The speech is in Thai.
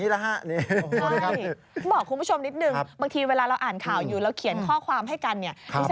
ดูนะลายมือผมสวยไหม